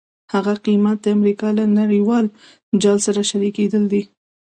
هغه قیمت د امریکا له نړیوال جال سره شریکېدل دي.